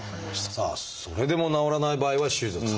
さあそれでも治らない場合は「手術」と。